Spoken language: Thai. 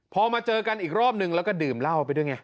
พอมาเจอกันอีกรอบนึงแล้วก็ดื่มเหล้าไปด้วยไง